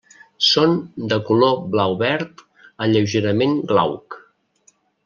Són de color blau-verd a lleugerament glauc.